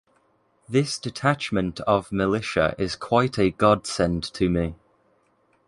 This detachment of militia is quite a godsend to me.